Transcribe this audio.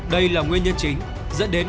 đây là nguyên nhân chính dẫn đến